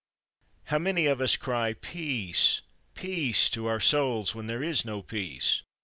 How many of us cry, Peace, peace, to our souls, when there is no peace!